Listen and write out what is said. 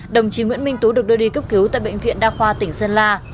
đồng chí nguyễn minh tú được đưa đi cấp cứu tại bệnh viện đa khoa tỉnh sơn la